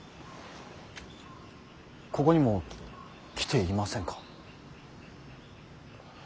ここにも来ていませんか。